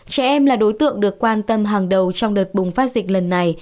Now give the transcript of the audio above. trẻ em là đối tượng được quan tâm hàng đầu trong đợt bùng phát dịch lần này